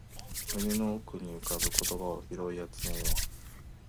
胸の奥に浮かぶ言葉を拾い集めよう